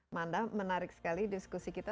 manda menarik sekali diskusi kita